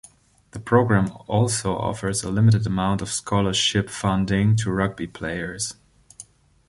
The program also offers a limited amount of scholarship funding to rugby players.